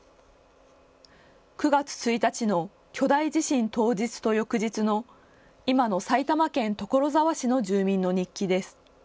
９月１日の巨大地震当日と翌日の今の埼玉県所沢市の住民の日記です。